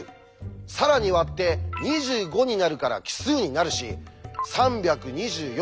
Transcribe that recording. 更に割って２５になるから奇数になるし３２４